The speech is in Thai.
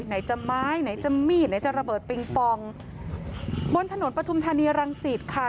ไหนจะไม้ไหนจะมีดไหนจะระเบิดปิงปองบนถนนปฐุมธานีรังสิตค่ะ